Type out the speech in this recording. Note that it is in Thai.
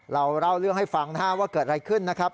เราเล่าเรื่องให้ฟังนะฮะว่าเกิดอะไรขึ้นนะครับ